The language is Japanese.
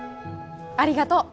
ありがとう！